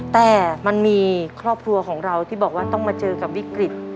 แต่มันมีครอบครัวของเราที่บอกว่าต้องมาเจอกับวิกฤต